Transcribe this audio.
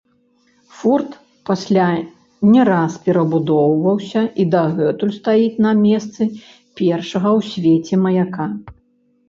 Форт пасля не раз перабудоўваўся і дагэтуль стаіць на месцы першага ў свеце маяка.